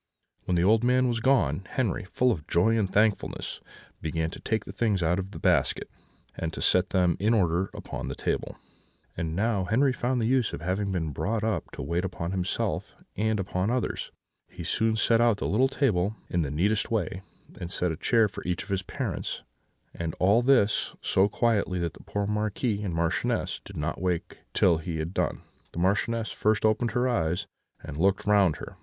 "When the old man was gone, Henri, full of joy and thankfulness, began to take the things out of the basket, and to set them in order upon the table; and now Henri found the use of having been brought up to wait upon himself and upon others; he soon set out the little table in the neatest way, and set a chair for each of his parents; and all this so quietly that the poor Marquis and Marchioness did not wake till he had done. The Marchioness first opened her eyes, and looked round her.